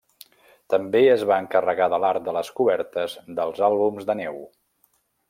També es va encarregar de l'art de les cobertes dels àlbums de Neu!